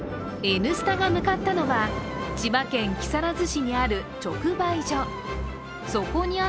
「Ｎスタ」が向かったのは千葉県木更津市にある直売所。